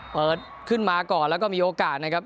เปิดขึ้นมาก่อนแล้วก็มีโอกาสนะครับ